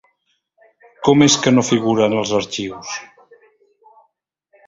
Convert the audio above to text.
Com és que no figura en els arxius?